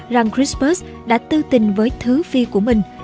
rằng chrispus đã tư tình với thứ phi của mình